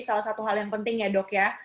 salah satu hal yang penting ya dok ya